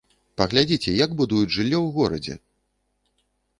Паглядзіце, як будуюць жыллё ў горадзе!